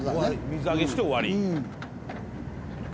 水揚げして終わり。